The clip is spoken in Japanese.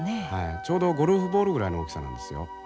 ちょうどゴルフボールぐらいの大きさなんですよ。